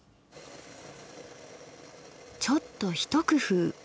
ちょっとひと工夫。